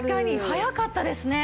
早かったですね。